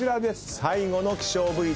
最後の希少部位です。